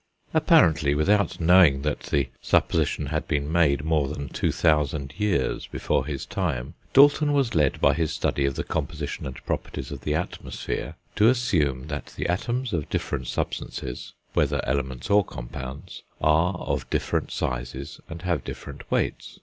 Apparently without knowing that the supposition had been made more than two thousand years before his time, Dalton was led by his study of the composition and properties of the atmosphere to assume that the atoms of different substances, whether elements or compounds, are of different sizes and have different weights.